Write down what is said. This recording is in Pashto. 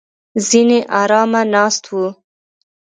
ځینې ارامه ناست وو.